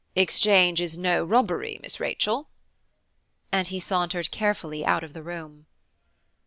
Exchange is no robbery, Miss Rachel," and he sauntered carefully out of the room.